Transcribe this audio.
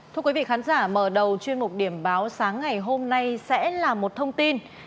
thưa quý vị khán giả mở đầu chuyên mục điểm báo sáng ngày hôm nay sẽ là một thông tin